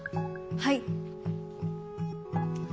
はい。